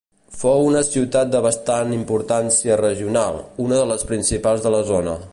Fou una ciutat de bastant importància regional, una de les principals de la zona.